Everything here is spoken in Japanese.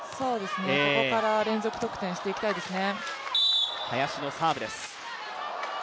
ここから連続得点していきたいですね。